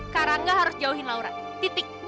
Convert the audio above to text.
kakak gak harus jauhin laura titik